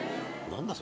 何だ？